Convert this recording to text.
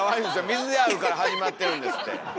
「水である」から始まってるんですって。